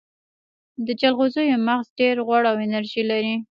د جلغوزیو مغز ډیر غوړ او انرژي لري.